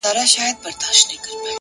حقیقت خپله لاره مومي.!